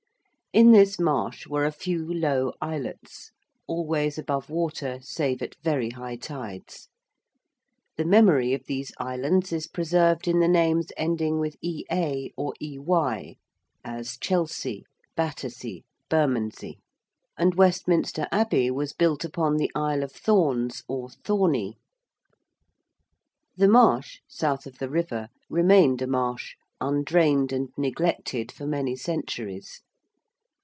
In this marsh were a few low islets, always above water save at very high tides. The memory of these islands is preserved in the names ending with ea or ey, as Chelsea, Battersea, Bermondsey. And Westminster Abbey was built upon the Isle of Thorns or Thorney. The marsh, south of the river, remained a marsh, undrained and neglected for many centuries.